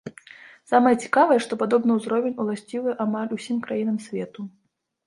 Самае цікавае, што падобны ўзровень уласцівы амаль усім краінам свету.